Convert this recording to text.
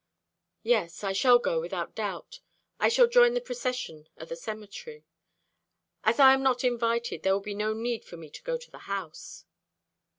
"Yes, I shall go without doubt. I shall join the procession at the cemetery. As I am not invited, there will be no need for me to go to the house."